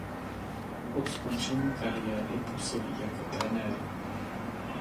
Od skončení kariéry působí jako trenér.